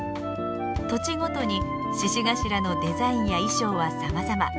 土地ごとに鹿頭のデザインや衣装はさまざま。